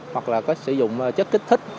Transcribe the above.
hoặc là có sử dụng chất kích thích